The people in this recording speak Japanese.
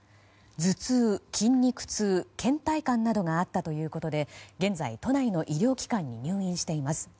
頭痛、筋肉痛、倦怠感などがあったということで現在、都内の医療機関に入院しています。